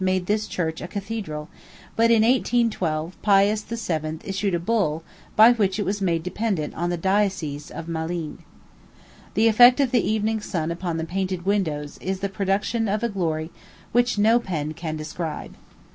made this church a cathedral; but, in 1812, Pius VII. issued a bull by which it was made dependent on the diocese of Malines. The effect of the evening sun upon the painted windows is the production of a glory which no pen can describe.